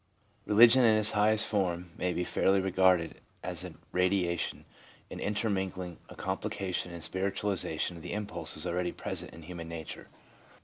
Religion in its highest form may fairly be regarded as a radiation, an intermingling, a complication and spiritualisation of the impulses already present in human nature.